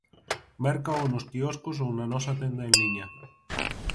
Mércao nos quioscos ou na nosa tenda en liña.